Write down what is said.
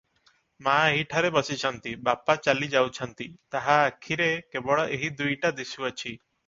ମା’ ଏହିଠାରେ ବସିଛନ୍ତି, ବାପା ଚାଲି ଯାଉଛନ୍ତି, ତାହା ଆଖିରେ କେବଳ ଏହି ଦୁଇଟା ଦିଶୁଅଛି ।